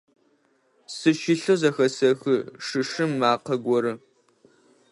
Сыщылъэу зэхэсэхы шы-шыш макъэ горэ.